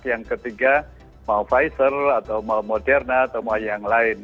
yang ketiga mau pfizer atau mau moderna atau mau yang lain